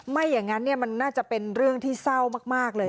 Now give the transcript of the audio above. ไม่อย่างนั้นมันน่าจะเป็นเรื่องที่เศร้ามากเลย